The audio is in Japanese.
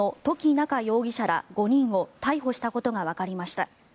夏容疑者ら５人を逮捕したことがわかりました。